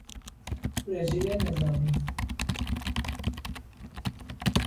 رژه نظامی